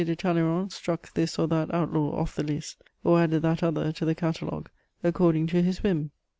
de Talleyrand struck this or that outlaw off the list, or added that other to the catalogue, according to his whim.